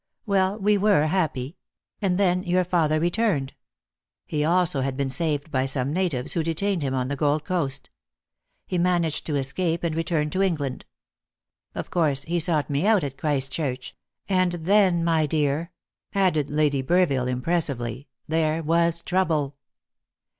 Well, we were happy; and then your father returned. He also had been saved by some natives, who detained him on the Gold Coast. He managed to escape, and returned to England. Of course, he sought me out at Christchurch; and then, my dear," added Lady Burville impressively, "there was trouble."